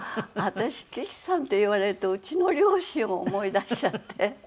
私「岸さん」って言われるとうちの両親を思い出しちゃって。